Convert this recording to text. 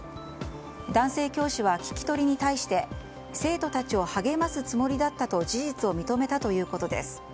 男性教師は聞き取りに対して生徒たちを励ますつもりだったと事実を認めたということです。